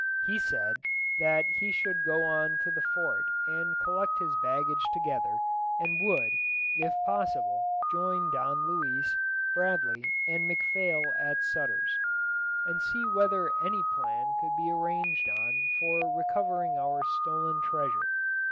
He said that he should go on to the fort and collect his baggage together, and would, if possible, join Don Luis, Bradley, and McPhail at Sutter's, and see whether any plan could be arranged on for recovering our stolen treasure.